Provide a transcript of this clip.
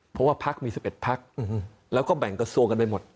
เพราะว่าพักมี๑๑พักแล้วก็แบ่งกระทรวงกันไปหมด